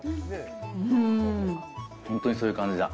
本当にそういう感じだ。